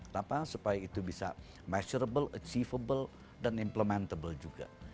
kenapa supaya itu bisa measurable achievable dan implementable juga